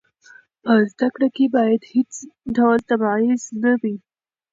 په زده کړه کې باید هېڅ ډول تبعیض نه وي.